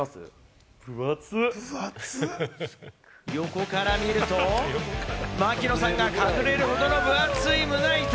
横から見ると、槙野さんが隠れるほどの分厚い胸板。